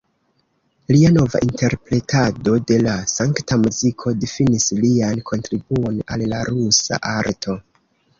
Lia nova interpretado de la sankta muziko difinis lian kontribuon al la rusa arto.